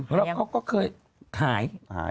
แล้วเขาก็คือหาย